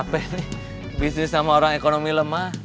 capek nih bisnis sama orang ekonomi lemah